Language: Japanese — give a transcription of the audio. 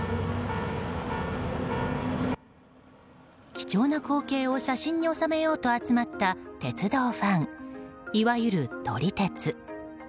貴重な光景を写真に収めようと集まった鉄道ファン、いわゆる撮り鉄。